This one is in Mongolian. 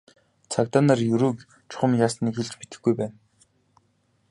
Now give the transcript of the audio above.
Цагдаа нар Ерөөг чухам яасныг хэлж мэдэхгүй байна.